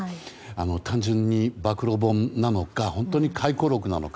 単純に暴露本なのか本当に回顧録なのか。